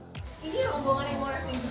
ini rombongan yang mau retik juga